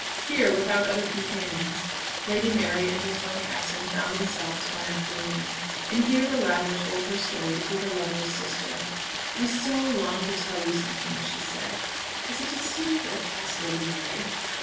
Here, without other companions, Lady Mary and Miss Boncassen found themselves one afternoon, and here the latter told her story to her lover's sister. "I so long to tell you something," she said. "Is it a secret?" asked Lady Mary.